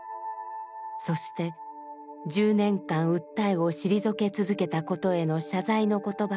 そして１０年間訴えを退け続けたことへの謝罪の言葉が綴られていました。